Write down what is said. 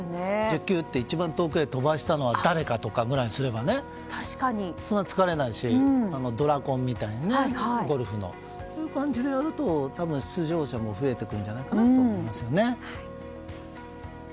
１０球打って一番遠くに飛ばしたのは誰かとかにすればそんなに疲れないしゴルフのドラコンみたいな感じでやると出場者も増えてくるんじゃないかなと思いますけどね。